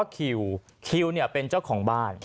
คิวคิวเป็นเจ้าของบ้าน